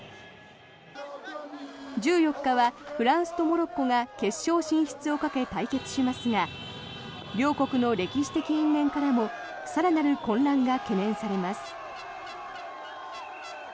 １４日はフランスとモロッコが決勝進出をかけ、対決しますが両国の歴史的因縁からも更なる混乱が懸念されます。